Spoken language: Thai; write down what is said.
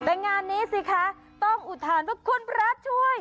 แต่งานนี้สิคะต้องอุทานว่าคุณพระช่วย